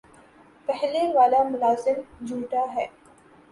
پہلے والا ملازم جھوٹا ہے